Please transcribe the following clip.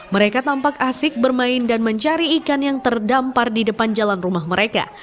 mereka tampak asik bermain dan mencari ikan yang terdampar di depan jalan rumah mereka